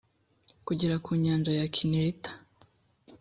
kugera ku nyanja ya kineretin